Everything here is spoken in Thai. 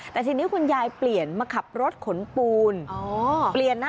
แต่ทีนี้คุณยายเปลี่ยนมาขับรถขนปูนเปลี่ยนนะ